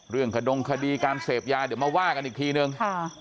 เรื่องขนมคดีการเสพยาเดี๋ยวมาว่ากันอีกทีหนึ่ง